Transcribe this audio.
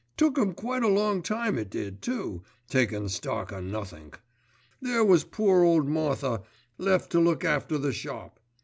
Took 'im quite a long time it did too, takin' stock o' nothink. There was poor ole Martha left to look after the shop.